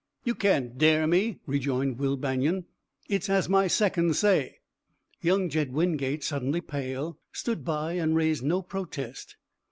"You can't dare me!" rejoined Will Banion. "It's as my seconds say." Young Jed Wingate, suddenly pale, stood by and raised no protest.